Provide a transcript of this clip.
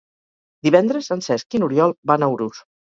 Divendres en Cesc i n'Oriol van a Urús.